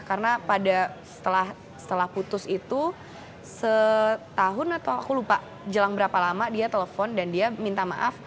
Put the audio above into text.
karena pada setelah putus itu setahun atau aku lupa jelang berapa lama dia telepon dan dia minta maaf